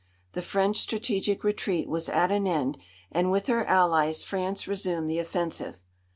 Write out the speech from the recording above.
The French strategic retreat was at an end, and with her allies France resumed the offensive.